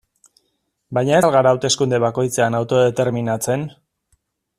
Baina ez al gara hauteskunde bakoitzean autodeterminatzen?